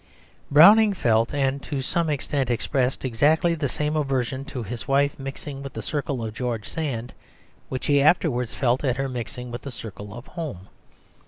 Browning felt, and to some extent expressed, exactly the same aversion to his wife mixing with the circle of George Sand which he afterwards felt at her mixing with the circle of Home.